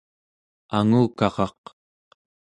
angukaraq